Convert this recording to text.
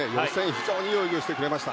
非常にいい泳ぎをしてくれました。